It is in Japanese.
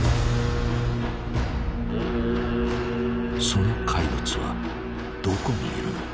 その怪物はどこにいるのか？